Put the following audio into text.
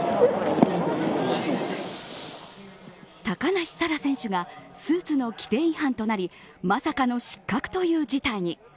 高梨沙羅選手がスーツの規定違反となりまさかの失格という事態に。